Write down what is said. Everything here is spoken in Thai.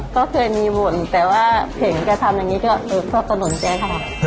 ก็เคยมีบทแต่ว่าเห็นการทำอย่างนี้ก็ชอบกระหน่วงแจ้ง